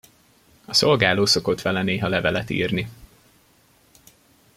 A szolgáló szokott vele néha levelet írni.